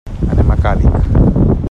Anem a Càlig.